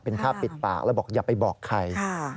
เป็นค่าปิดปากแล้วบอกอย่าไปบอกใคร